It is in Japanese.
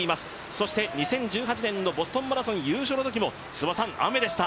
そして、２０１８年のボストンマラソン優勝のときも雨でした。